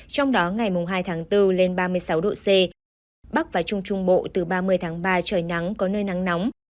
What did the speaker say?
trong đó ngày hai tháng bốn lên ba mươi sáu độ c bắc và trung trung bộ từ ba mươi tháng ba trời nắng có nơi nắng nóng